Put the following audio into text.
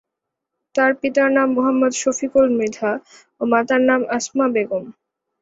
তার পিতার নাম মোহাম্মদ শফিকুল মৃধা ও মাতার নাম আসমা বেগম।